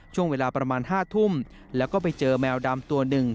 ช่วงเวลาประมาณ๕ทุ่มแล้วก็ไปเจอแมวดำตัวหนึ่ง